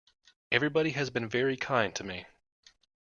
Everybody has been very kind to me.